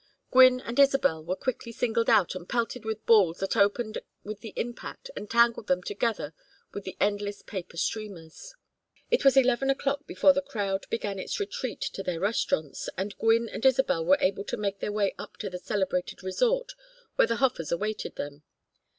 Gwynne and Isabel were quickly singled out and pelted with balls that opened with the impact and tangled them together with the endless paper streamers. It was eleven o'clock before the crowd began its retreat to their restaurants, and Gwynne and Isabel were able to make their way up to the celebrated resort where the Hofers awaited them.